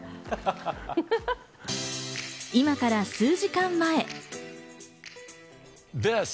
今から数時間前。